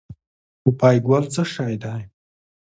پوپی ګل څه شی دی؟